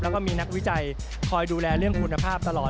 แล้วก็มีนักวิจัยคอยดูแลเรื่องคุณภาพตลอด